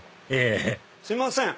ええすいません！